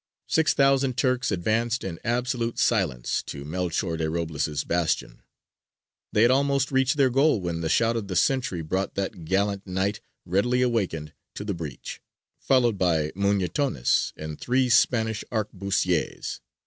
Six thousand Turks advanced in absolute silence to Melchior de Robles' bastion; they had almost reached their goal when the shout of the sentry brought that gallant Knight, readily awakened, to the breach, followed by Muñatones and three Spanish arquebusiers.